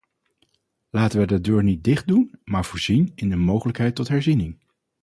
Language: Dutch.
Laten wij de deur niet dicht doen, maar voorzien in een mogelijkheid tot herziening.